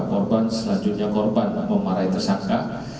korban selanjutnya korban memarahi tersangka